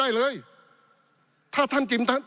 ปี๑เกณฑ์ทหารแสน๒